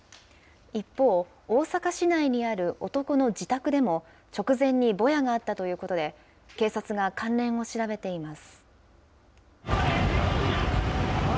一方、大阪市内にある男の自宅でも、直前にぼやがあったということで、警察が関連を調べています。